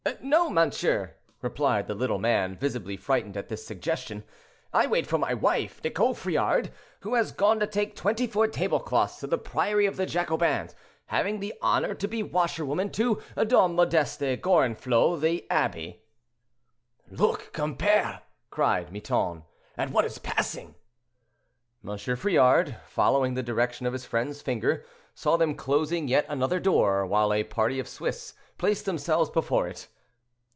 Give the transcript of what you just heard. "No, monsieur," replied the little man, visibly frightened at this suggestion; "I wait for my wife, Nicole Friard, who has gone to take twenty four tablecloths to the priory of the Jacobins, having the honor to be washerwoman to Dom. Modeste Gorenflot, the abbe." "Look, compere," cried Miton, "at what is passing." M. Friard, following the direction of his friend's finger, saw them closing yet another door, while a party of Swiss placed themselves before it.